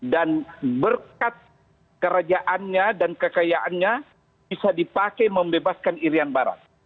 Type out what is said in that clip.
dan berkat kerajaannya dan kekayaannya bisa dipakai membebaskan irian barat